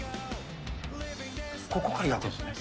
ここから焼くんですね。